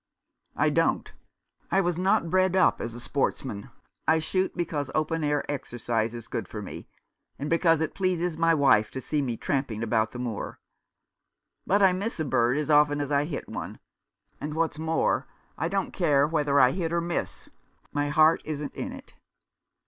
"I don't. I was not bred up as a sportsman. I shoot because open air exercise is good for me, and because it pleases my wife to see me tramping about the moor. But I miss a bird as often as I hit one ; and, what's more, I don't care whether I hit or miss. My heart isn't in it."